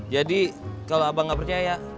jadi kalau abang gak percaya